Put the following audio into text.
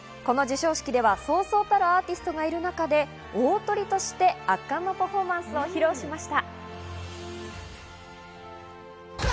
この授賞式ではそうそうたるアーティストがいる中で大トリとして圧巻のパフォーマンスを披露しました。